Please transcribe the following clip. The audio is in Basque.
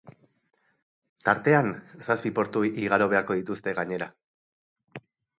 Tartean, zazpi portu igaro beharko dituzte gainera.